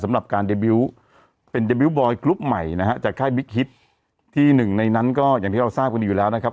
สำหรับการเดบิวต์เป็นเดบิวตบอยกรุ๊ปใหม่นะฮะจากค่ายบิ๊กฮิตที่หนึ่งในนั้นก็อย่างที่เราทราบกันอยู่แล้วนะครับ